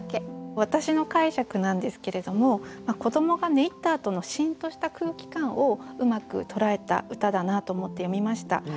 私の解釈なんですけれども子どもが寝入ったあとのシーンとした空気感をうまく捉えた歌だなと思って読みました。